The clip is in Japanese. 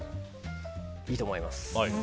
いいと思います。